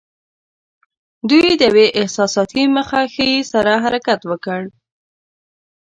دوی د یوې احساساتي مخه ښې سره حرکت وکړ.